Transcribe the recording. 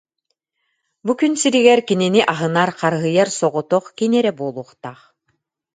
Бу күн сиригэр кинини аһынар, харыһыйар соҕотох кини эрэ буолуохтаах